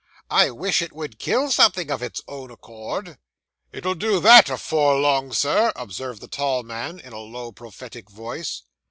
'I wish it would kill something of its own accord.' 'It'll do that afore long, Sir,' observed the tall man, in a low, prophetic voice.